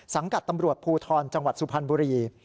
สังกัดตำรวจภูทรจังหวัดสุพรรณบุรี